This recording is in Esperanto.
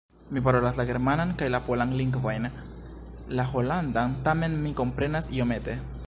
Mi parolas la germanan kaj la polan lingvojn; la holandan tamen mi komprenas iomete.